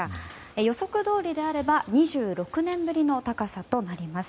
予測どおりであれば２６年ぶりの高さとなります。